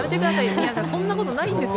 宮根さん、そんなことないんですよ。